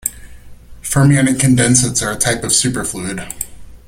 Fermionic condensates are a type of superfluid.